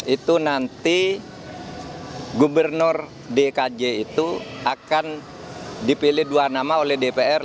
itu nanti gubernur dkj itu akan dipilih dua nama oleh dpr